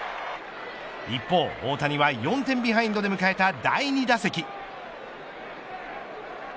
一方、大谷は４点ビハインドで迎えた第２打席。